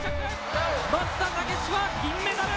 松田丈志は銀メダル！